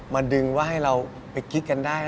ดึงว่าให้เราไปกิ๊กกันได้